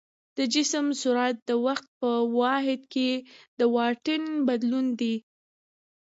د جسم سرعت د وخت په واحد کې د واټن بدلون دی.